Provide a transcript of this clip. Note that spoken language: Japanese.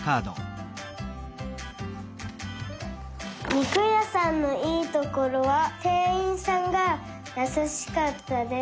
にくやさんのいいところはてんいんさんがやさしかったです。